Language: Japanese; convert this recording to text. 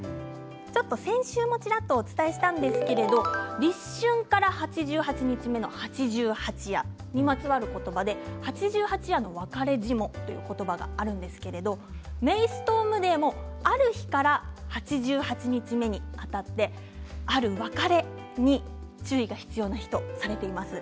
先週もちらりとお伝えしましたが立春から８８日目の八十八夜にまつわる言葉で八十八夜の別れ霜という言葉があるんですけれどメイストームデーもある日から８８日目にあたってある別れに注意が必要な日とされています。